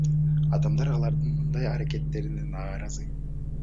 Адамдар алардын мындай аракеттерине нааразы.